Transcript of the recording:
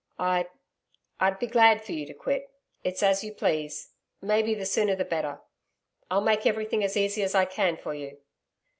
'I I'd be glad for you to quit. It's as you please maybe the sooner the better. I'll make everything as easy as I can for you.'